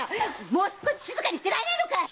もう少し静かにしてられないのかい！